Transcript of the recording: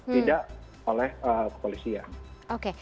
tidak oleh kepolisian